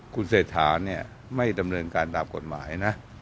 คุณเศรษฐาเนี่ยไม่ดำเนินการตามกฎหมายนะ